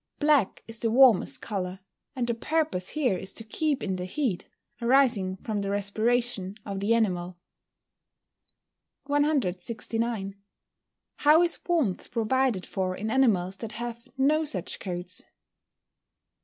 Black is the warmest colour, and the purpose here is to keep in the heat, arising from the respiration of the animal. 169. _How is warmth provided for in animals that have no such coats?